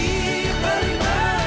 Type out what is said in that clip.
ini apaan sih hah